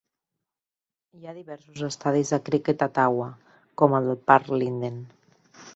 Hi ha diversos estadis de criquet a Tawa, com el Parc Linden.